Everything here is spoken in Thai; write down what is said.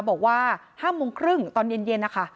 บอกว่า๕โมงครึ่งตอนเย็นนะคะ